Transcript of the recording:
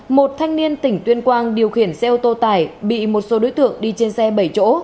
một thanh niên tỉnh tuyên quang điều khiển xe ô tô tải bị một số đối tượng đi trên xe bảy chỗ